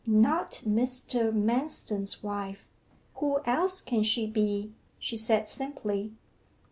'Not Mr. Manston's wife who else can she be?' she said simply.